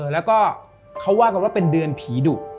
แล้วก็เขาว่ากันว่าเป็นเดือนผีดุ